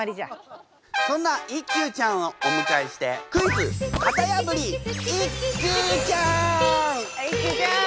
そんな一休ちゃんをお迎えしていっＱちゃん！